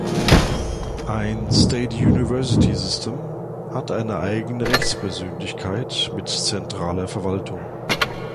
Ein "state university system" hat eine eigene Rechtspersönlichkeit mit zentraler Verwaltung.